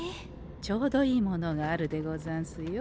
ちょうどいいものがあるでござんすよ。